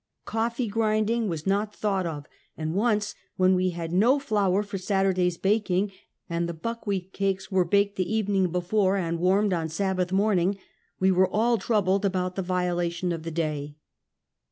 Coffee grind ing was not thought of, and once, when we had no flour for Saturday's baking, and the buckwheat cakes were baked the evening before and warmed on Sab Pbogress in Calvinism. 13 batli morning, we were all troubled about tlie yiolation of the day.